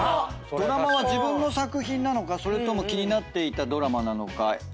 ドラマは自分の作品なのかそれとも気になっていたドラマなのか。